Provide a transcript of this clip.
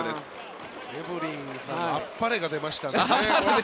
エブリンさんのあっぱれが出ましたね。